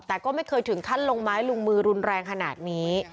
แต่ก็ไม่เคยถึงขั้นลงไม้ลงมือรุนแรงขนาดนี้